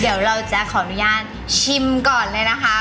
เดี๋ยวเราจะขออนุญาตชิมก่อนเลยนะคะ